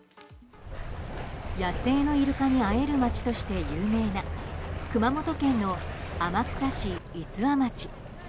野生のイルカに会える町として有名な熊本県の天草市五和町。